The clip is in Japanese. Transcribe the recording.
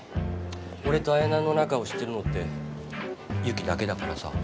俺とあやなの仲を知ってるのって雪だけだからさ。